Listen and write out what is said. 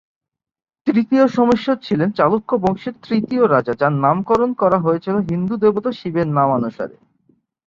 তৃতীয় সোমেশ্বর ছিলেন চালুক্য বংশের তৃতীয় রাজা যাঁর নামকরণ করা হয়েছিল হিন্দু দেবতা শিবের নামানুসারে।